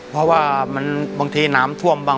เพราะว่าบางทีน้ำท่วมบ้าง